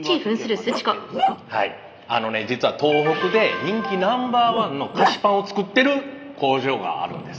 あのね実は東北で人気Ｎｏ．１の菓子パンを作ってる工場があるんです。